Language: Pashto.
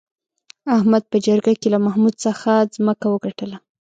احمد په جرگه کې له محمود څخه ځمکه وگټله